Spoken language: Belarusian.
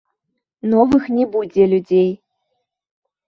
Новых не будзе людзей.